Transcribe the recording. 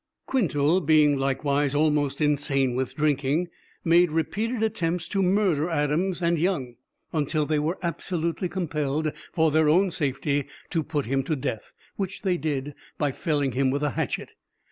Quintal being likewise almost insane with drinking, made repeated attempts to murder Adams and Young, until they were absolutely compelled, for their own safety, to put him to death, which they did by felling him with a hatchet.